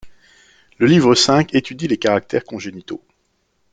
Le livre V étudie les caractères congénitaux.